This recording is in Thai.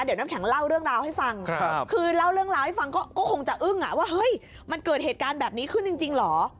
เดี๋ยวน้ำแข็งเล่าเรื่องราวให้ฟังคือเล่าเรื่องราวให้ฟังก็คงจะอึ้งว่าเฮ้ยมันเกิดเหตุการณ์แบบนี้ขึ้นจริงเหรอ